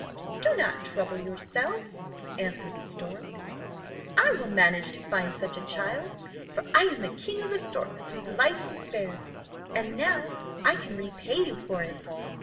"Do not trouble yourself," answered the stork. "I will manage to find such a child, for I am the king of the storks whose life you spared, and now I can repay you for it."